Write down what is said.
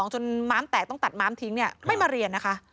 จนม้ามแตกต้องตัดม้ามทิ้งไม่มาเรียนนะคะ